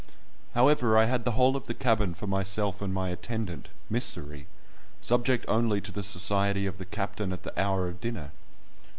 However, I had the whole of the cabin for myself and my attendant, Mysseri, subject only to the society of the captain at the hour of dinner.